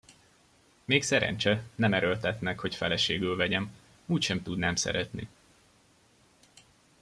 Még szerencse, nem erőltetnek, hogy feleségül vegyem: úgysem tudnám szeretni.